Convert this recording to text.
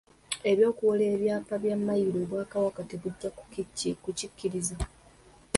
Eky'okuwera ebyapa bya Mmayiro Obwakabaka tebujja kukikkiriza.